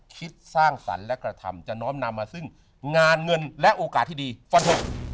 คิดสร้างสรรค์และกระทำจะน้อมนำมาซึ่งงานเงินและโอกาสที่ดีฟันหก